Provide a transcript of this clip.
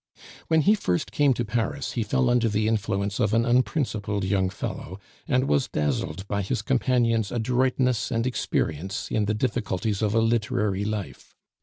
"When he first came to Paris he fell under the influence of an unprincipled young fellow, and was dazzled by his companion's adroitness and experience in the difficulties of a literary life.